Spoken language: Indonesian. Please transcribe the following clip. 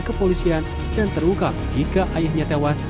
kepolisian dan terungkap jika ayahnya tewas